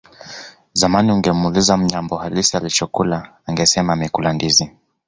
Zamani ungemuuliza Mnyambo halisi alichokula angesema amekula ndizi